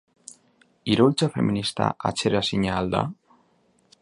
Iraultza feminista atzeraezina al da?